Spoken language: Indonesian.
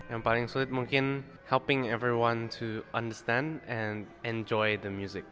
yang paling sulit mungkin membantu semua orang untuk memahami dan menikmati musik